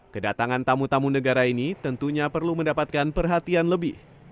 kedatangan tamu tamu negara ini tentunya perlu mendapatkan perhatian lebih